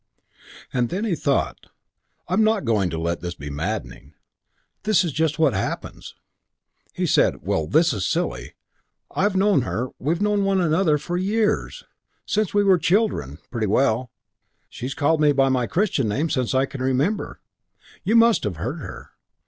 And then he thought, "I'm not going to let it be maddening. This is just what happens." He said, "Well, this is silly. I've known her we've known one another for years, since we were children, pretty well. She's called me by my Christian name since I can remember. You must have heard her.